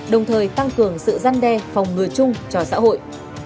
đồng thời tăng cường sự răn đe phòng ngừa chung cho xã hội